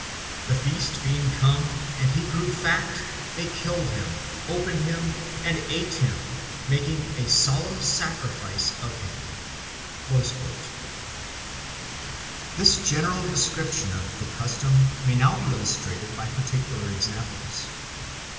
The feast being come, and he grown fat, they killed him, opened him, and ate him, making a solemn sacrifice of him." This general description of the custom may now be illustrated by particular examples.